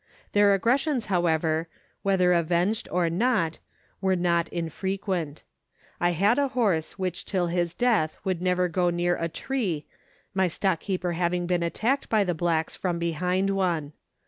Their aggressions, however, whether avenged or not, were not infrequent. I had a horse which till his death would never go near a tree, my stock keeper having been attacked by the blacks from behind one.